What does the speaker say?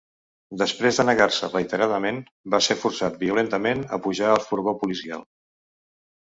Després de negar-se reiteradament, va ser forçat violentament a pujar al furgó policial.